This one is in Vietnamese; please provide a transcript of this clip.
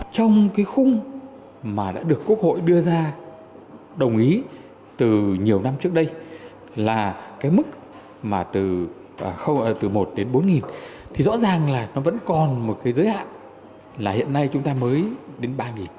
trong cái khung mà đã được quốc hội đưa ra đồng ý từ nhiều năm trước đây là cái mức mà từ một đến bốn thì rõ ràng là nó vẫn còn một cái giới hạn là hiện nay chúng ta mới đến ba